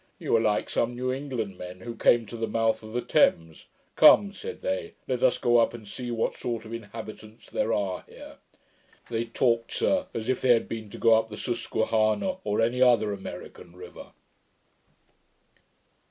You are like some New England men who came to the mouth of the Thames. "Come," said they, "let us go up and see what sort of inhabitants there are here." They talked, sir, as if they had been to go up the Susquehannah, or any other American river.'